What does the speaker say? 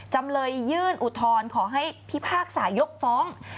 จำเลยยื่นอุทธรณ์ขอให้พิพากษายกฟ้อง